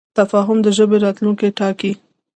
تفاهم د ژبې راتلونکی ټاکي.